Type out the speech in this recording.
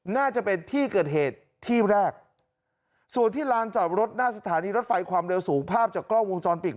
น่าจะเป็นที่เกิดเหตุที่แรกส่วนที่ลานจอดรถหน้าสถานีรถไฟความเร็วสูงภาพจากกล้องวงจรปิด